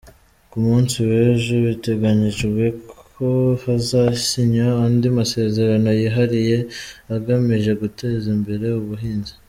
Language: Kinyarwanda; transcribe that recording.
Ku munsi w’ejo biteganyijwe ko hazasinywa andi masezerano yihariye agamije guteza imbere ubuhinzi.